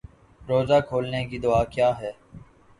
روزہ کھولنے کی دعا کیا ہے